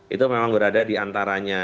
itu memang berada di antaranya